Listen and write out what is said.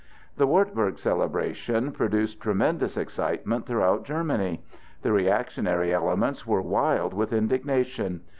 The Wartburg celebration produced tremendous excitement throughout Germany. The reactionary elements were wild with indignation.